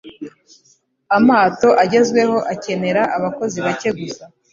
Amato agezweho akenera abakozi bake gusa.